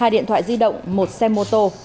hai điện thoại di động một xe mô tô